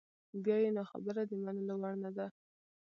بیا یې نو خبره د منلو وړ نده.